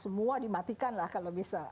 semua dimatikan lah kalau bisa